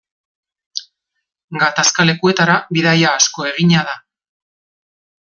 Gatazka-lekuetara bidaia asko egina da.